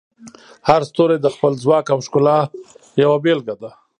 هر ستوری د خپل ځواک او ښکلا یوه بیلګه ده.